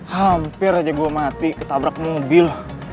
hampir aja gue mati ketabrak mobil